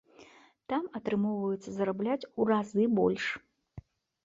Там атрымоўваецца зарабляць у разы больш.